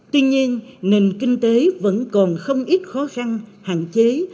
tuy nhiên nền kinh tế vẫn còn không ít khó khăn hạn chế